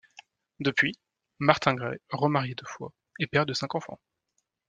Depuis, Martin Gray, remarié deux fois, est père de cinq enfants.